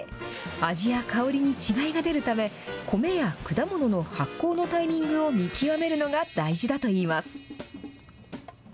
味や香りに違いが出るため、米や果物の発酵のタイミングを見極めるのが大事だといいます。